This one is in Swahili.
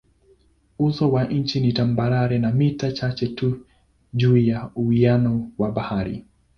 Uso wa nchi ni tambarare na mita chache tu juu ya uwiano wa bahari.